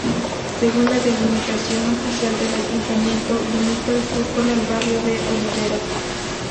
Según la delimitación oficial del ayuntamiento, limita al sur con el barrio de Oliveros.